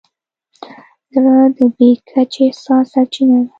زړه د بې کچې احساس سرچینه ده.